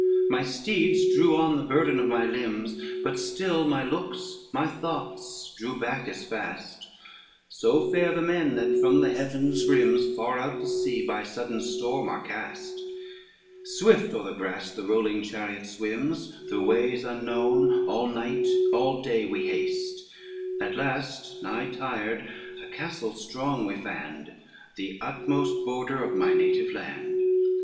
LV "My steeds drew on the burden of my limbs, But still my locks, my thoughts, drew back as fast, So fare the men, that from the heaven's brims, Far out to sea, by sudden storm are cast; Swift o'er the grass the rolling chariot swims, Through ways unknown, all night, all day we haste, At last, nigh tired, a castle strong we fand, The utmost border of my native land.